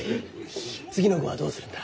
次の号はどうするんだ？